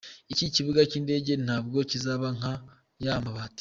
Iki kibuga cy’indege ntabwo kizaba ’nka ya mabati’.